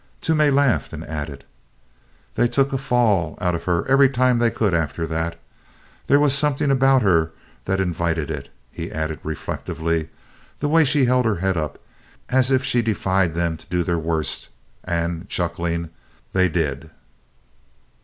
Toomey laughed, and added: "They took a 'fall' out of her every time they could after that. There was something about her that invited it," he added reflectively, "the way she held her head up, as if she defied them to do their worst, and," chuckling, "they did."